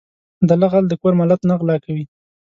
دله غل د کور مالت نه غلا کوي.